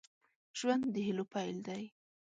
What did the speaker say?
ژوند د هيلو پيل دی.